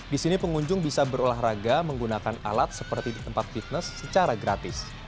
di sini pengunjung bisa berolahraga menggunakan alat seperti di tempat fitness secara gratis